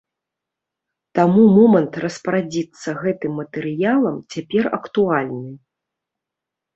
Таму момант распарадзіцца гэтым матэрыялам цяпер актуальны.